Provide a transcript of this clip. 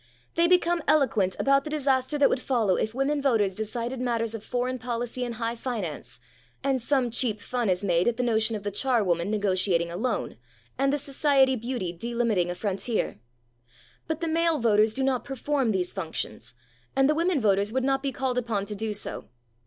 They become eloquent about the disaster that would follow if women voters decided matters of foreign policy and high finance, and some cheap fun is made at the notion of the charwoman negotiating a loan, and the society beauty delimiting a frontier. But the male voters do not perform these functions, and the women voters would not be called upon to do so.